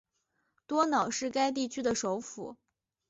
多瑙是该地区的首府。